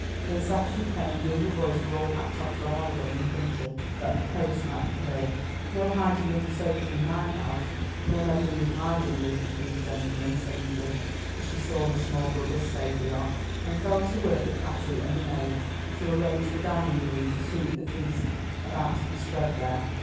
When Saturday came the younger boys were all packed off for a holiday in the country, that the coast might be clear. "No hiding under sofas in my house, no meddling with my dinner, if you please, gentlemen," said Edith, as she saw the small brothers safely off, and fell to work with Patty and the maid to arrange the dining room to suit the feast about to be spread there.